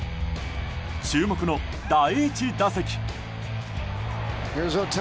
注目の第１打席。